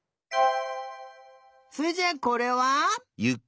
それじゃあこれは？